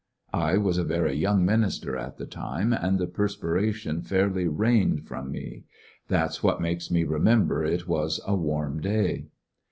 I was a very young minister at the time, and the perspiration fairly rained from me. That 's what makes me remember it was a warm day.